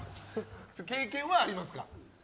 経験はありますか？